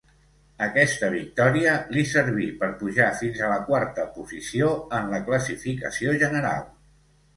Aquesta victòria li serví per pujar fins a la quarta posició en la classificació general.